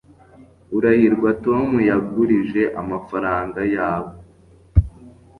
urahirwa tom yagurije amafaranga yawe